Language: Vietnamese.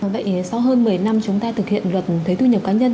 vậy sau hơn một mươi năm chúng ta thực hiện luật thuế thu nhập cá nhân